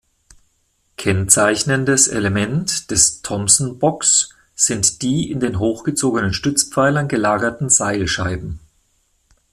Kennzeichnendes Element des Tomson-Bocks sind die in den hochgezogenen Stützpfeilern gelagerten Seilscheiben.